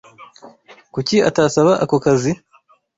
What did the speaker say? Kuki utasaba ako kazi?